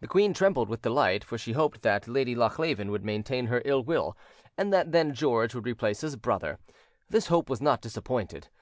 The queen trembled with delight, for she hoped that Lady Lochleven would maintain her ill will, and that then George would replace his brother: this hope was not disappointed.